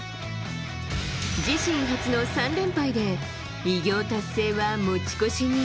自身初の３連敗で、偉業達成は持ち越しに。